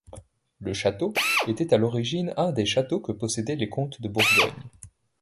Le château était à l'origine un des châteaux que possédait les comtes de Bourgogne.